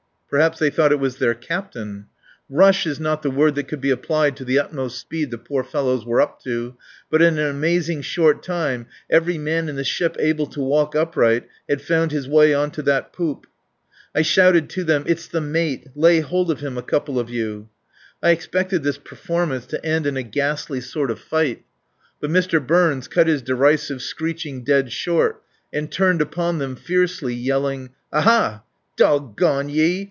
Perhaps they thought it was their captain? Rush is not the word that could be applied to the utmost speed the poor fellows were up to; but in an amazing short time every man in the ship able to walk upright had found his way on to that poop. I shouted to them: "It's the mate. Lay hold of him a couple of you. ..." I expected this performance to end in a ghastly sort of fight. But Mr. Burns cut his derisive screeching dead short and turned upon them fiercely, yelling: "Aha! Dog gone ye!